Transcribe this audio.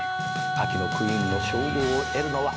秋のクイーンの称号を得るのは。